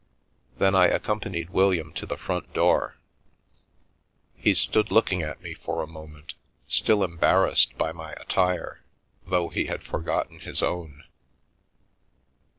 Then I accompanied William to the front door. He stood looking at me for a moment, still embarrassed by my attire, though he had forgotten his own.